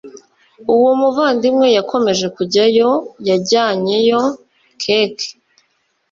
uwo muvandimwe yakomeje kujyayo yajyanyeyo keke